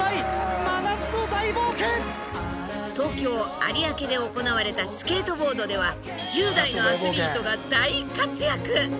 東京・有明で行われたスケートボードでは１０代のアスリートが大活躍！